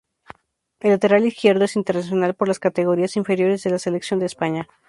El lateral izquierdo es internacional por las categorías inferiores de la Selección de España.